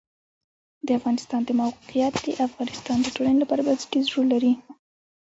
د افغانستان د موقعیت د افغانستان د ټولنې لپاره بنسټيز رول لري.